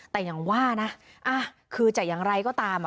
แต่อย่างว่านะคือจะอย่างไรก็ตาม